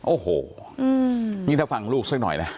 โอ้โหนี่ถ้าฟังลูกสักหน่อยนะ